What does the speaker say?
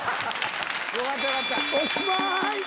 おしまい。